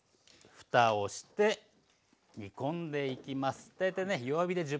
ふたをして煮込んでいきます。